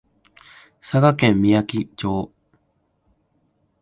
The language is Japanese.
佐賀県みやき町